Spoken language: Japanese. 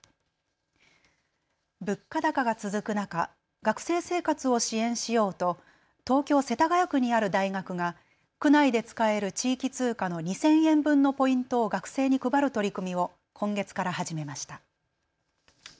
物価高が続く中、学生生活を支援しようと東京世田谷区にある大学が区内で使える地域通貨の２０００円分のポイントを学生に配る取り組みを今月から始めました。